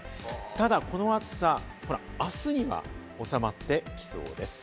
ただこの暑さ、明日には収まってきそうです。